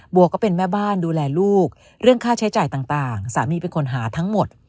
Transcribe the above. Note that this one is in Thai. ก็เป็นแม่บ้านดูแลลูกเรื่องค่าใช้จ่ายต่างสามีเป็นคนหาทั้งหมด